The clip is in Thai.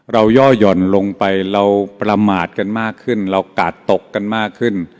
ย่อหย่อนลงไปเราประมาทกันมากขึ้นเรากาดตกกันมากขึ้น